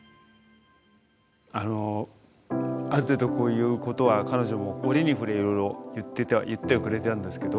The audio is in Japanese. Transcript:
あのある程度こういうことは彼女も折に触れいろいろ言ってはくれてたんですけど。